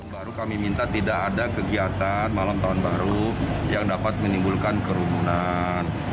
baru kami minta tidak ada kegiatan malam tahun baru yang dapat menimbulkan kerumunan